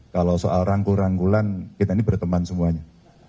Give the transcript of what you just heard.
kalau soal rangkul rangkulan kita ini berteman semuanya